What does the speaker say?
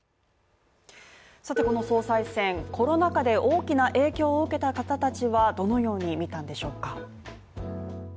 さてこの総裁選この中で大きな影響を受けた方たちはどのように見たんでしょう。